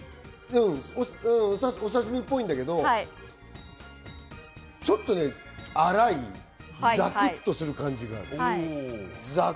お刺身っぽいんだけど、ちょっと粗い、ざくっとする感じがある。